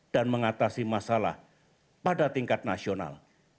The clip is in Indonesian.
dan mengatasi masalah pada tingkat nasional